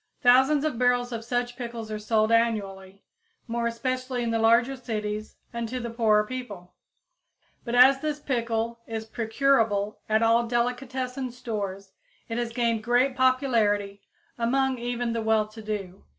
Thousands of barrels of such pickles are sold annually, more especially in the larger cities and to the poorer people; but as this pickle is procurable at all delicatessen stores, it has gained great popularity among even the well to do.